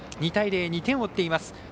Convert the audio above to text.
２対０で２点を追っています。